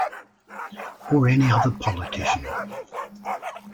Or any other politician.